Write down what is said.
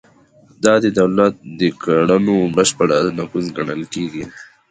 دا د دولت د کړنو بشپړ نفوذ ګڼل کیږي.